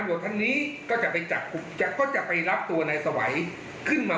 เพราะท่านนี้ก็จะไปจัดกก็จะไปรับตัวในสวัยขึ้นมา